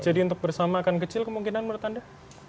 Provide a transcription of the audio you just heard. jadi untuk bersama akan kecil kemungkinan menurut anda